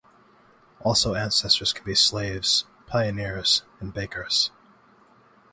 Also ancestors can be slaves, pioneers, and bakers.